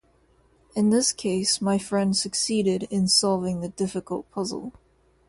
In this case, my friend succeeded in solving the difficult puzzle.